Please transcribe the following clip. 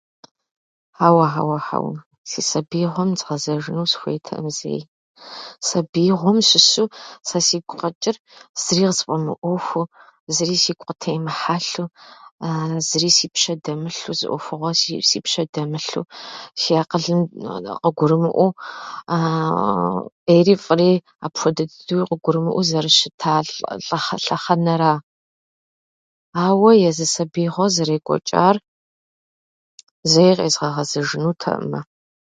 Хьэуэ, хьэуэ, хьэуэ. Си сабиигъуэм згъэзэжыну сыхуейтэкъым зэи. Сабиигъуэм щыщу сэ сигу къэкӏыр, зыри къысфӏэмыӏуэхуу, зыри сигу къытемыхьэлъэу, зыри си пщэ дэмылъу, зы ӏуэхугъуэ си- си пщэ дэмылъу, си акъылым къыгурымыӏуэу, ӏейри фӏыри апхуэдэ дыдэу къыгурымыӏуэу зэрыщыта лӏэхъэ- лъэхъэнэра. Ауэ езы сабиигъуэр зэрекӏуэкӏар зэи къезгъэгъэзэжынутэӏымэ.